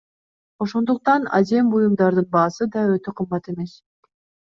Ошондуктан азем буюмдардын баасы да өтө кымбат эмес.